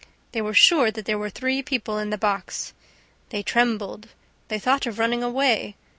... They were sure that there were three people in the box ... They trembled ... They thought of running away